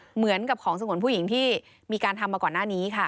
เหมือนกับของสงวนผู้หญิงที่มีการทำมาก่อนหน้านี้ค่ะ